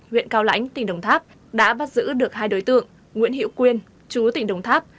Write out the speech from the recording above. huyện cao lãnh tỉnh đồng tháp đã bắt giữ được hai đối tượng nguyễn hiệu quyên chú tỉnh đồng tháp